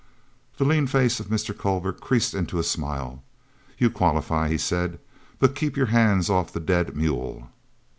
The lean face of Mr. Culver creased into a smile. "You qualify," he said. "But keep your hands off the dead mule."